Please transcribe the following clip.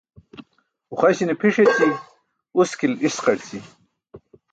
Uxaśi̇ne pʰi̇ṣ eći, uski̇l i̇ṣqarći.